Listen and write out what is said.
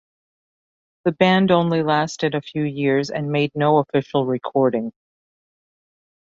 The band only lasted a few years and made no official recording.